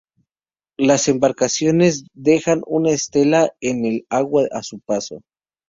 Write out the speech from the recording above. Las embarcaciones dejan una estela en el agua a su paso.